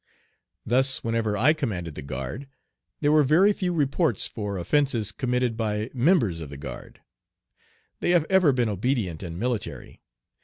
Thus whenever I commanded the guard there were very few reports for offences committed by members of the guard. They have ever been obedient and military.